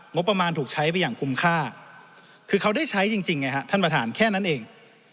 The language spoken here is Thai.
งบประมาณถูกใช้ไปอย่างคุ้มค่าคือเขาได้ใช้จริงไงฮะท่านประธานแค่นั้นเอง